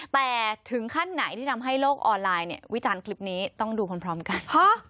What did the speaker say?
แต่ถึงขั้นไหนที่ทำให้โลกออนไลน์เนี่ยวิจารณ์คลิปนี้ต้องดูพร้อมกัน